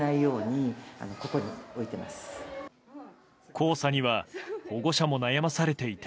黄砂には保護者も悩まされていて。